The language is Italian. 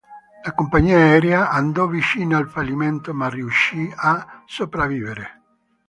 La compagnia aerea andò vicina al fallimento ma riuscì a sopravvivere.